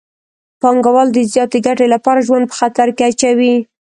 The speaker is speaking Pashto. پانګوال د زیاتې ګټې لپاره ژوند په خطر کې اچوي